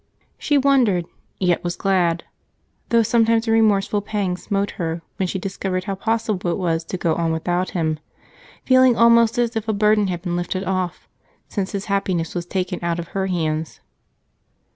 She wondered, yet was glad, though sometimes a remorseful pang smote her when she discovered how possible it was to go on without him, feeling almost as if a burden had been lifted off, since his happiness was taken out of her hands.